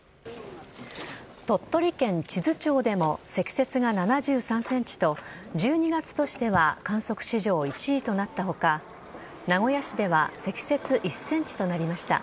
鳥取県智頭町でも積雪が７３センチと、１２月としては観測史上１位となったほか、名古屋市では積雪１センチとなりました。